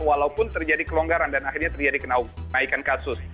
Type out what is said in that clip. walaupun terjadi kelonggaran dan akhirnya terjadi kenaikan kasus